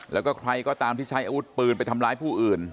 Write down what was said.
แล้วก็ใครก็ตามที่ใช้อาวุธปืนไปทำร้ายผู้อื่น